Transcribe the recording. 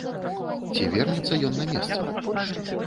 Ці вернецца ён на месца?